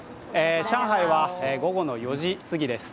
上海は午後の４時すぎです。